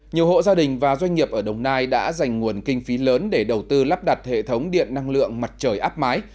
nhiều hộ gia đình và doanh nghiệp ở đồng nai đã dành nguồn kinh phí lớn để đầu tư lắp đặt hệ thống điện năng lượng mặt trời áp mái